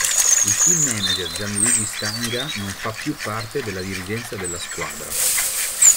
Il team manager Gianluigi Stanga non fa più parte della dirigenza della squadra.